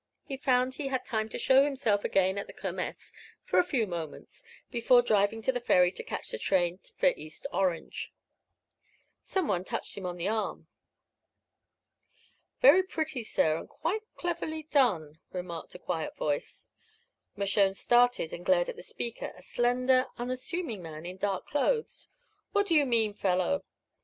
He found he had time to show himself again at the Kermess, for a few moments, before driving to the ferry to catch the train for East Orange. Some one touched him on the arm. "Very pretty, sir, and quite cleverly done," remarked a quiet voice. Mershone started and glared at the speaker, a slender, unassuming man in dark clothes. "What do you mean, fellow?"